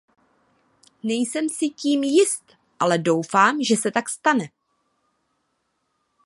Nejsem si tím jist, ale doufám, že se tak stane.